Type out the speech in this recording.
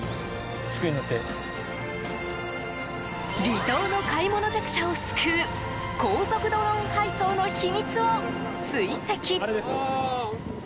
離島の買い物弱者を救う高速ドローン配送の秘密を追跡。